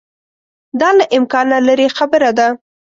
دا له امکانه لیري خبره ده.